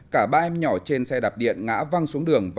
cả ba em nhỏ trên xe đạp điện ngã văng xuống đường